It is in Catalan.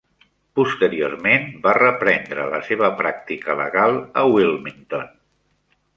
Posteriorment, va reprendre la seva pràctica legal a Wilmington.